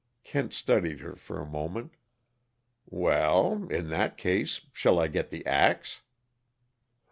Kent studied her for a moment. "Well, in that case shall I get the axe?"